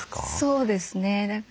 そうですね。